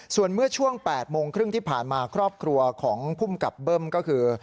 ส่วนเมื่อช่วง๘โมงครึ่งที่ผ่านมาครอบครัวของภูมิกับเบิ้มก็คือ